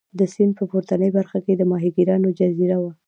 د سیند په پورتنۍ برخه کې د ماهیګیرانو جزیره وه.